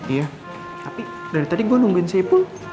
iya tapi dari tadi gue nungguin si epul